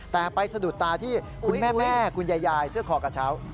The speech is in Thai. แต่ไปสะดุดตาที่คุณแม่คุณยายเสื้อคอกระเช้า